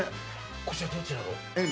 こちらどちらの？